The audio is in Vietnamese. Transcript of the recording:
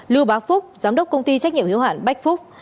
lưu bác phúc giám đốc công ty trách nhiệm hữu hạn bách phúc